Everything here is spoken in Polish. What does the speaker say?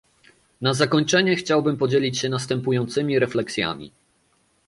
Na zakończenie chciałbym podzielić się następującymi refleksjami